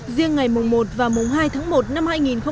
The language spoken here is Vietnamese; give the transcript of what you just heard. riêng ngày mùng một và mùng hai tháng một năm hai nghìn hai mươi